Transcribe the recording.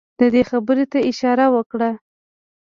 ده دې خبرې ته اشاره وکړه.